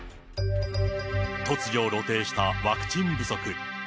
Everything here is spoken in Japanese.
突如、露呈したワクチン不足。